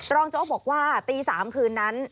รองเจ้าบอกว่าตี๓คืนนั้น